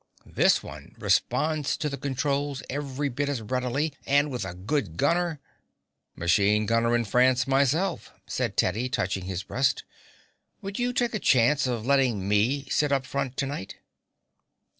This one responds to the controls every bit as readily, and with a good gunner " "Machine gunner in France myself," said Teddy, touching his breast. "Would you take a chance on letting me sit up front to night?"